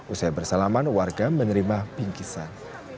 usai bersalaman warga menerima bingkisan